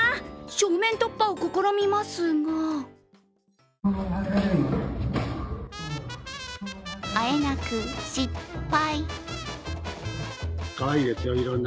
正面突破を試みますがあえなく失敗。